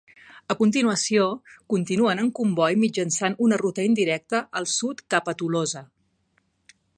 A continuació, continuen en comboi mitjançant una ruta indirecta al sud cap a Tolosa.